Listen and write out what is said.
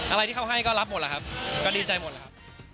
อะไรที่เขาให้ก็รับหมดแหละครับก็ดีใจหมดแล้วครับ